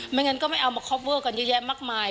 ไม่งั้นก็ไม่เอามาคอปเวิร์กกันเยอะมากมาย